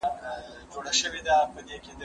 زه به سبا تمرين وکړم.